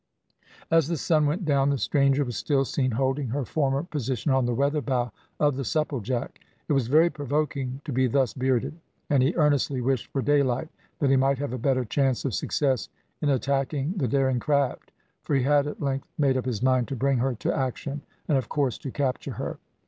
As the sun went down the stranger was still seen holding her former position on the weatherbow of the Supplejack. It was very provoking to be thus bearded, and he earnestly wished for daylight that he might have a better chance of success in attacking the daring craft, for he had at length made up his mind to bring her to action, and of course to capture her.